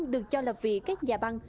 được cho là vì các nhà băng